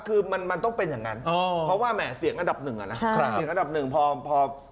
ผู้หลับมากรับถังได้แล้วก็อดีตแล้วก็หอมบัติ